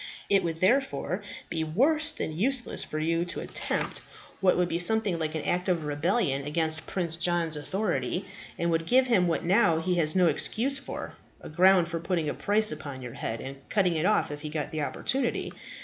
It would therefore be worse than useless for you to attempt what would be something like an act of rebellion against Prince John's authority, and would give him what now he has no excuse for, a ground for putting a price upon your head and cutting it off if he got the opportunity.